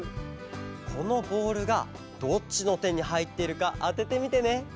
このボールがどっちのてにはいってるかあててみてね！